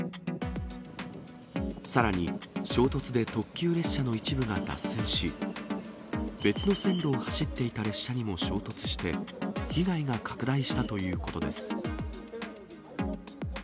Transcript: さらに、衝突で特急列車の一部が脱線し、別の線路を走っていた列車にも衝突して、被害が拡大したということです。